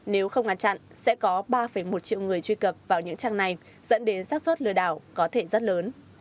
nếu không ngăn chặn sẽ có ba một triệu người truy cập vào những trang này dẫn đến sát xuất lừa đảo có thể rất lớn